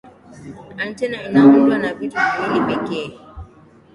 antena inaundwa na vitu viwili pekee